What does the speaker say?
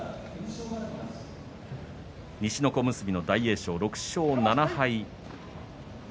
西の小結の大栄翔は６勝７敗。